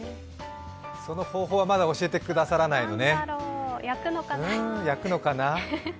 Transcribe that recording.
その方法は、まだ教えてくださらないのね。